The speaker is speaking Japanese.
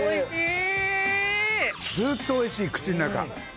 ずーっとおいしい口の中。